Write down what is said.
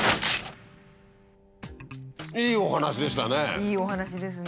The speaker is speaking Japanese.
いいお話ですね。